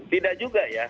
tidak juga ya